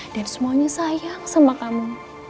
dan semuanya sayang sama kamu